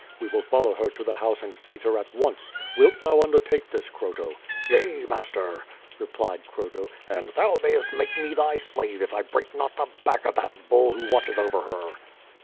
"We will follow her to the house and seize her at once. Wilt thou undertake this, Croto?" "Yea, master," replied (Voto, "and thou mayest make mc thv slave if I break not the back of that bull who watches over her.''